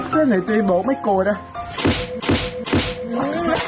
แล้วไงตัวเองบอกไม่โกรธอ่ะ